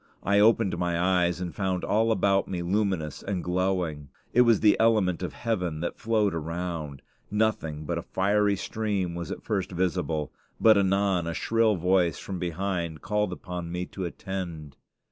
I opened my eyes and found all about me luminous and glowing. It was the element of heaven that flowed around. Nothing but a fiery stream was at first visible; but anon a shrill voice from behind called upon me to attend.